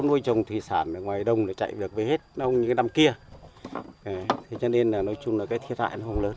nước ngập sâu nên người dân vẫn chịu nhiều thiệt hại